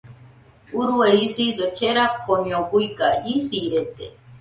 Urue isido cherakoño guiga , isirede.